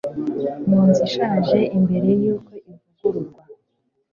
munzu ishaje mbere yuko ivugururwa